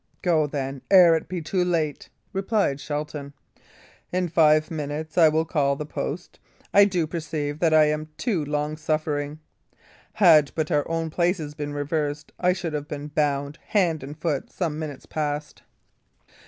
"Go, then, ere it be too late," replied Shelton. "In five minutes I will call the post. I do perceive that I am too long suffering. Had but our places been reversed, I should have been bound hand and foot some minutes past."